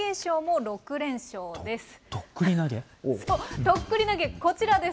そう、とっくり投げ、こちらです。